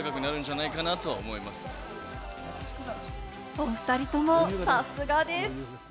おふたりとも、さすがです。